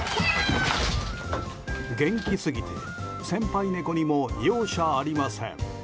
元気すぎて先輩猫にも容赦ありません。